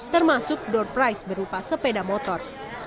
termasuk door price berupa sepeda motor